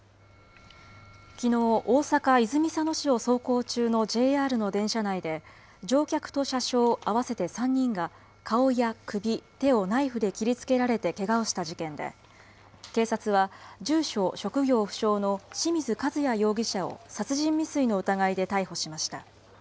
きのう、大阪・泉佐野市を走行中のＪＲの電車内で、乗客と車掌合わせて３人が、顔や首、手をナイフで切りつけられてけがをした事件で、警察は、住所、職業不詳の清水和也容疑者を殺人未遂の疑いで逮捕しました。